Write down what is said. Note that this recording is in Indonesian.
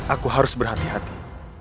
aku harus berhati hati